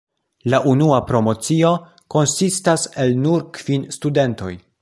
La unua promocio konsistas el nur kvin studentoj.